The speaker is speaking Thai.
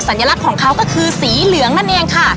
สัญลักษณ์ของเขาก็คือสีเหลืองนั่นเองค่ะ